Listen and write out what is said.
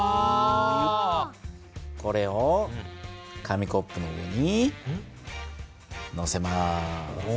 これを紙コップの上にのせます。